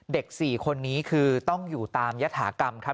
๔คนนี้คือต้องอยู่ตามยฐากรรมครับ